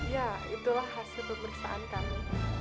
ya itulah hasil pemeriksaan kami